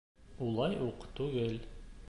— Улай уҡ түгел.